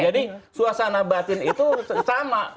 jadi suasana batin itu sama